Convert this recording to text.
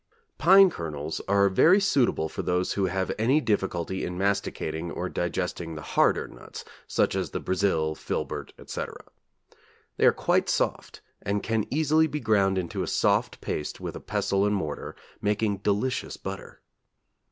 Pine kernels are very suitable for those who have any difficulty in masticating or digesting the harder nuts, such as the brazil, filbert, etc. They are quite soft and can easily be ground into a soft paste with a pestil and mortar, making delicious butter.